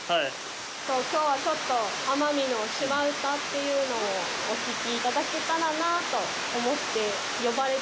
きょうは、ちょっと奄美のシマ唄っていうのをお聞きいただけたらなと思って呼ばれて。